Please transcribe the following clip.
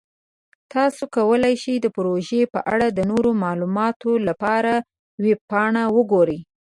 تاسو کولی شئ د پروژې په اړه د نورو معلوماتو لپاره ویب پاڼه وګورئ.